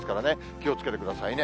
気をつけてくださいね。